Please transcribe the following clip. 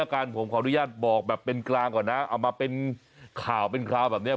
ขออนุญาตบอกแบบเป็นกลางก่อนนะเอามาเป็นข่าวแบบนี้